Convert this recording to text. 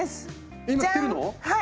今着てるの？